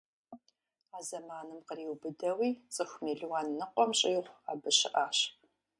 А зэманым къриубыдэуи цӀыху мелуан ныкъуэм щӀигъу абы щыӀащ.